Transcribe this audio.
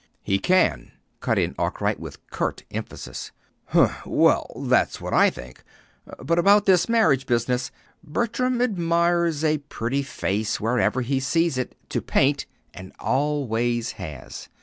"He can," cut in Arkwright, with curt emphasis. "Humph! Well, that's what I think. But, about this marriage business. Bertram admires a pretty face wherever he sees it to paint, and always has.